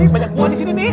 banyak buah di sini nih